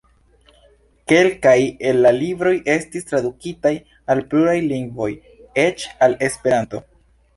Kelkaj el la libroj estis tradukitaj al pluraj lingvoj, eĉ al Esperanto.